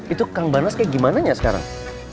itu kang barnas kayak gimana ya sekarang